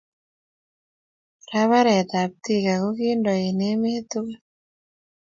barabaree kab Thika kokinto en emee tukul